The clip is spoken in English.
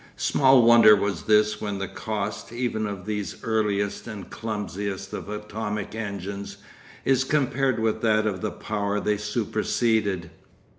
Small wonder was this when the cost, even of these earliest and clumsiest of atomic engines, is compared with that of the power they superseded.